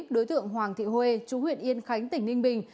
đối tượng hoàng thị huê chú huyện yên khánh tỉnh ninh bình